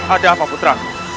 ada apa putra